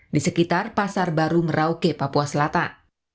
di sekitar pasar baru merauke papua selatan